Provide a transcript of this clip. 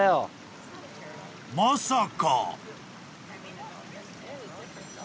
［まさか］